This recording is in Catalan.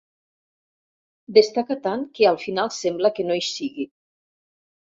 Destaca tant que al final sembla que no hi sigui.